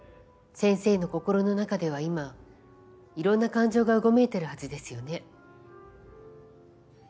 先生の心の中では今いろんな感情がうごめいてるはずですよね。